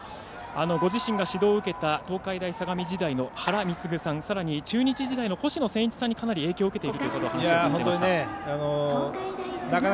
ご自身が指導を受けた東海大相模時代の原貢さんさらに星野仙一さんにかなり影響を受けているということを話されました。